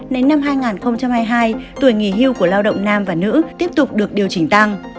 đến năm hai nghìn hai mươi hai tuổi nghỉ hưu của lao động nam và nữ tiếp tục được điều chỉnh tăng